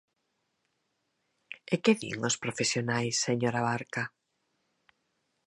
¿E que din os profesionais, señor Abarca?